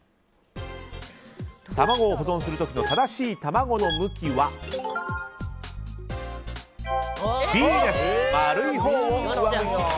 卵を保存する時の正しい卵の向きはＢ、丸いほうを上向き。